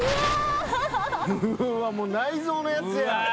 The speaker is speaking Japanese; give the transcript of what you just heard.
もう内臓のやつやん。